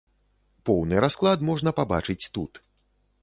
Поўны расклад можна пабачыць тут.